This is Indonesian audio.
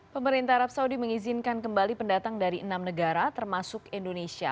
pemerintah arab saudi mengizinkan kembali pendatang dari enam negara termasuk indonesia